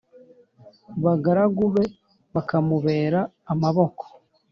bagaragu be bakamubera amaboko